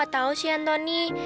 kamu gak tau sih ya antoni